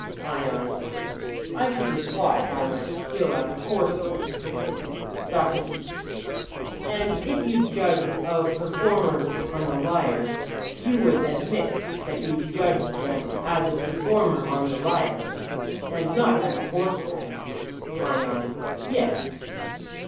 ION: I should reply, by my skill as a horseman. SOCRATES: And if you judged of performers on the lyre, you would admit that you judged of them as a performer on the lyre, and not as a horseman? ION: Yes.